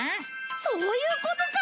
そういうことか！